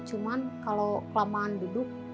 cuma kalau kelamaan duduk